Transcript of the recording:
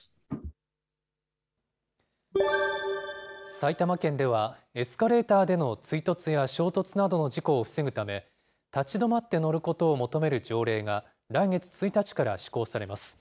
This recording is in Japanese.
埼玉県では、エスカレーターでの追突や衝突などの事故を防ぐため、立ち止まって乗ることを求める条例が、来月１日から施行されます。